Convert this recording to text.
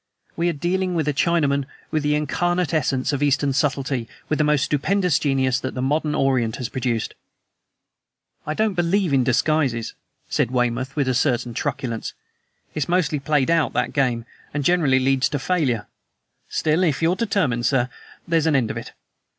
We are dealing with a Chinaman, with the incarnate essence of Eastern subtlety, with the most stupendous genius that the modern Orient has produced." "I don't believe in disguises," said Weymouth, with a certain truculence. "It's mostly played out, that game, and generally leads to failure. Still, if you're determined, sir, there's an end of it.